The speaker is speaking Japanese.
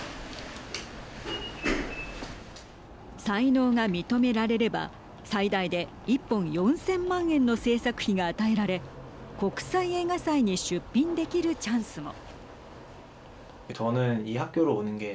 才能が認められれば最大で１本４０００万円の製作費が与えられ国際映画祭に出品できるチャンスも。